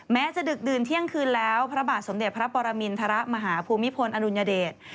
แม้จะดึกดื่นเที่ยงคืนแล้วพระบาทสมเด็จพระปรมินทรมาฮภูมิพลอดุลยเดช